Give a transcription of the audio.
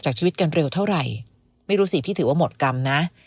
จากชีวิตกันเร็วเท่าไหร่ไม่รู้สิพี่ถือว่าหมดกรรมนะ